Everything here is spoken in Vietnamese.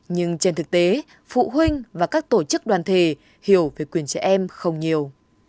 nhưng trên thực tế phụ huynh và các tổ chức đoàn thể hiểu về quyền trẻ em không nhiều